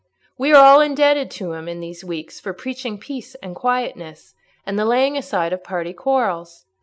"We are all indebted to him in these weeks for preaching peace and quietness, and the laying aside of party quarrels.